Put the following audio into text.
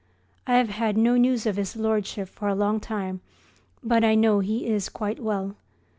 I have had no news of his Lordship for a long time, but I know he is quite well.